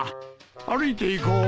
歩いていこう。